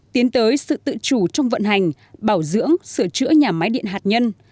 tiến tới sự tự chủ trong vận hành bảo dưỡng sửa chữa nhà máy điện hạt nhân